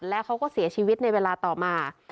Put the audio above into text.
แล้วเขาก็เสียชีวิตในเวลาต่อมา